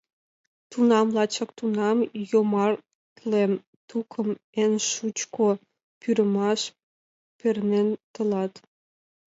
Тунам, лачак тунам, йомартле тукым, Эн шучко пӱрымаш пернен тылат.